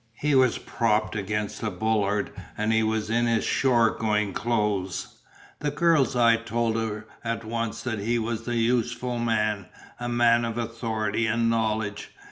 He was propped against a bollard and he was in his shore going clothes. The girl's eye told her at once that here was a useful man, a man of authority and knowledge.